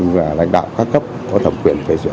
và lãnh đạo các cấp có thẩm quyền phê duyệt